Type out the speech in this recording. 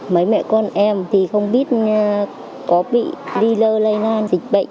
mấy mẹ con em thì không biết có bị ly lơ lây lan dịch bệnh